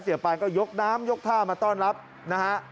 ปานก็ยกน้ำยกท่ามาต้อนรับนะฮะ